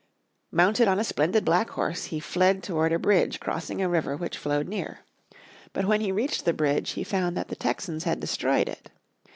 Mounted on a splendid black horse he fled toward a bridge crossing a river which flowed near. But when he reached the bridge he found that the Texans had destroyed it.